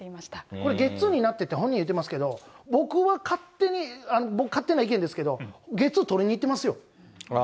これ、ゲッツーになってって、本人言うてますけど、僕は勝手に僕、勝手な意見ですけど、ゲッツー取りにいってますよ。